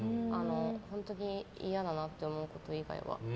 本当に嫌だなと思うこと以外は。